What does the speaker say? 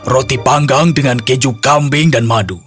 roti panggang dengan keju kambing dan madu